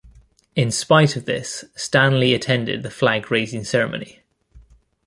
In spite of this, Stanley attended the flag raising ceremony.